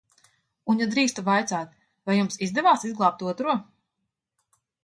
Un, ja drīkstu vaicāt, vai jums izdevās izglābt Otro?